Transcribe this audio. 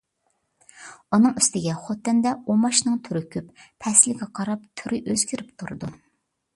ئۇنىڭ ئۈستىگە خوتەندە ئۇماچنىڭ تۈرى كۆپ. پەسىلگە قاراپ تۈرى ئۆزگىرىپ تۇرىدۇ.